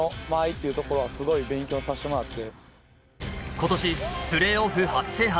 今年、プレーオフ初制覇。